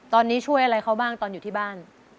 ตอนนี้ช่วยอะไรเขาบ้างตอนอยู่ที่บ้าน